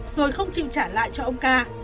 rồi không chịu trả lại cho ông ca